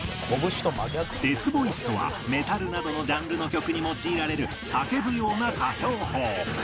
デスボイスとはメタルなどのジャンルの曲に用いられる叫ぶような歌唱法